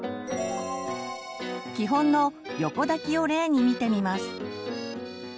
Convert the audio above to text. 基本の横抱きを例に見てみます。